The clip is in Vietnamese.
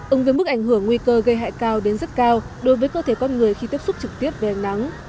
ứng với mức ảnh hưởng nguy cơ gây hại cao đến rất cao đối với cơ thể con người khi tiếp xúc trực tiếp với ánh nắng